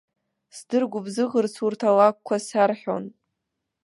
Сдыргәыбзыӷырц урҭ алакәқәа сарҳәон.